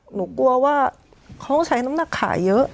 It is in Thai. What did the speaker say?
หนูกลัวว่าเขาใช้น้ำหนักขายเยอะ